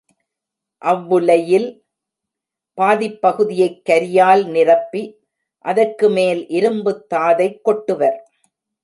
அவ்வுலையில் பாதிப்பகுதியைக் கரியால் நிரப்பி, அதற்கு மேல் இரும்புத் தாதைக் கொட்டுவர்.